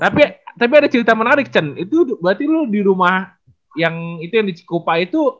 tapi ada cerita menarik cen itu berarti lu di rumah yang itu yang di cikupa itu